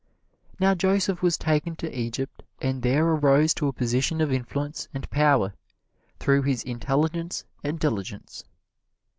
Now Joseph was taken to Egypt and there arose to a position of influence and power through his intelligence and diligence.